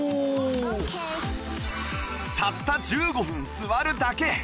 たった１５分座るだけ！